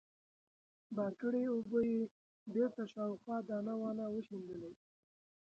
بار کړې اوبه يې بېرته شاوخوا دانه وانه وشيندلې.